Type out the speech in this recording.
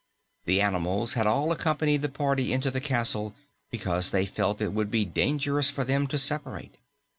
The animals had all accompanied the party into the castle because they felt it would be dangerous for them to separate.